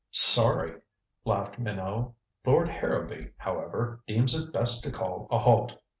"Sorry," laughed Minot. "Lord Harrowby, however, deems it best to call a halt.